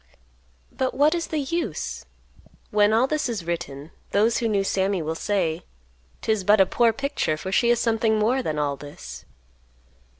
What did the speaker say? But what is the use? When all this is written, those who knew Sammy will say, "'Tis but a poor picture, for she is something more than all this."